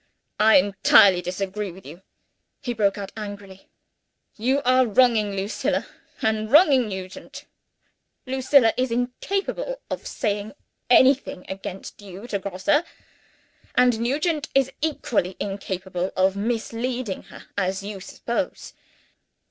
"I entirely disagree with you," he broke out angrily. "You are wronging Lucilla and wronging Nugent. Lucilla is incapable of saying anything against you to Grosse; and Nugent is equally incapable of misleading her as you suppose.